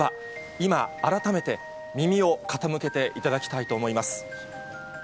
今改めて耳を傾けていただきたいと思います。